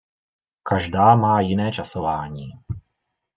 Každá má jiné časování.